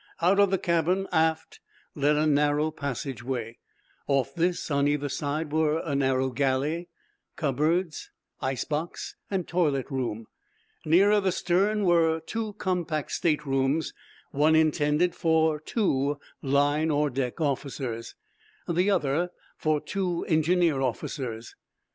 Out of the cabin, aft, led a narrow passageway. Off this, on either side, were a narrow galley, cupboards, ice box and toilet room. Nearer the stern were two compact state rooms, one intended for two "line" or "deck" officers, the other for two engineer officers.